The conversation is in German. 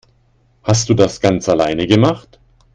Hast du das ganz alleine gemacht?